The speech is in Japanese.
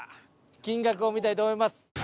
金額を見たいと思います。